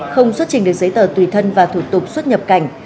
không xuất trình được giấy tờ tùy thân và thủ tục xuất nhập cảnh